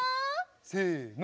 せの。